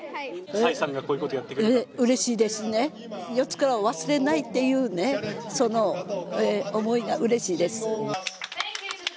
蔡さんがこういうことやってくれてうれしいですね、四倉を忘れないというその思いがうれしいです。